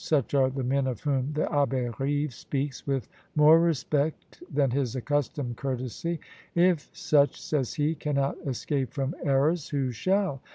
Such are the men of whom the Abbé Rive speaks with more respect than his accustomed courtesy. "If such," says he, "cannot escape from errors, who shall?